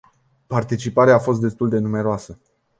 Participarea a fost destul de numeroasă.